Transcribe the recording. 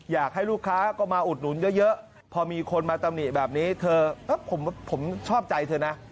อยากให้ลูกค้าก็มาอุดหนุนเยอะพอมีคนมาตำหนิแบบนี้เธอผมชอบใจเธอนะ